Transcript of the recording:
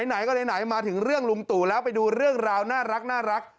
ไหนก็ไหนมาถึงเรื่องลุงตู่แล้วไปดูเรื่องราวน่ารัก